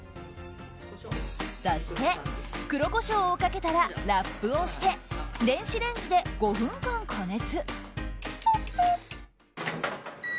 そして、黒コショウをかけたらラップをして電子レンジで５分間加熱。